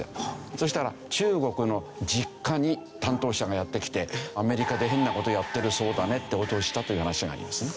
そしたら中国の実家に担当者がやって来て「アメリカで変な事やってるそうだね」って脅したという話がありますね。